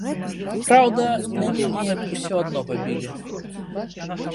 Праўда, мяне неяк усё адно пабілі.